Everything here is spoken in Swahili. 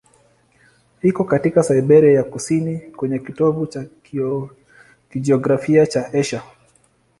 Iko katika Siberia ya kusini, kwenye kitovu cha kijiografia cha Asia.